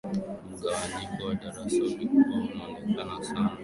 mgawanyiko wa darasa ulikuwa unaonekana sana